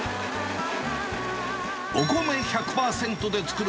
お米１００％で作る。